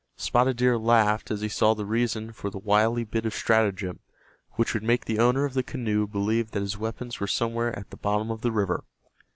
Spotted Deer laughed as he saw the reason for the wily bit of stratagem which would make the owner of the canoe believe that his weapons were somewhere at the bottom of the river.